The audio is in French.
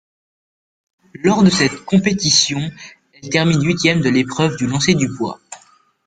Lors de cette compétition, elle termine huitième de l'épreuve du lancer du poids.